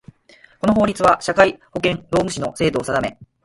この法律は、社会保険労務士の制度を定め